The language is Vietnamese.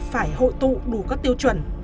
phải hội tụ đủ các tiêu chuẩn